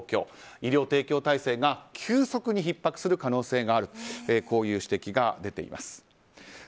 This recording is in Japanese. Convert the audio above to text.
医療提供体制が急速にひっ迫する可能性があるとこういう指摘が出ています。